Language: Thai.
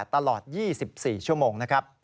๐๘๖๘๕๖๒๔๙๘ตลอด๒๔ชั่วโมง